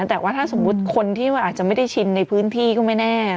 แต่ว่าถ้าสมมุติคนที่อาจจะไม่ได้ชินในพื้นที่ก็ไม่แน่